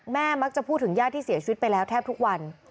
มักจะพูดถึงญาติที่เสียชีวิตไปแล้วแทบทุกวัน